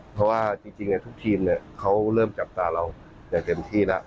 เพราะว่าจริงทุกทีมเขาเริ่มจับตาเราอย่างเต็มที่แล้ว